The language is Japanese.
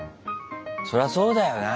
そりゃそうだよな。